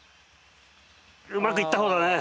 うまくいったほうだね。